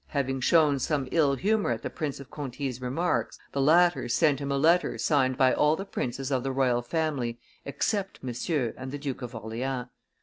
having shown some ill humor at the Prince of Conti's remarks, the latter sent him a letter signed by all the princes of the royal family except Monsieur and the Duke of Orleans.